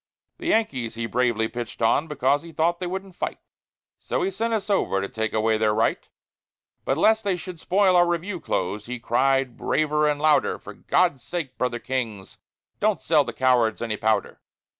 The Yankees he bravely pitched on, because he thought they wouldn't fight, And so he sent us over to take away their right; But lest they should spoil our review clothes, he cried braver and louder, For God's sake, brother kings, don't sell the cowards any powder.